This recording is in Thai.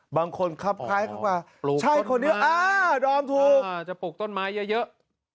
บางคนครับคล้ายครับว่าใช่คนเยอะอ่าดอมถูกจะปลูกต้นไม้เยอะ